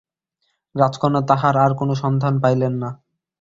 রাজকন্যা তাঁহার আর কোন সন্ধান পাইলেন না।